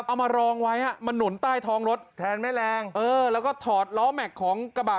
เอามารองไว้มันหนุนใต้ท้องรถแทนแม่แรงเออแล้วก็ถอดล้อแม็กซ์ของกระบะ